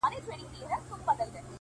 زما د ژوند تيارې ته لا ډېوه راغلې نه ده;